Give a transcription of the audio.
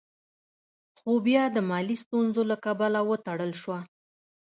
خو بيا د مالي ستونزو له کبله وتړل شوه.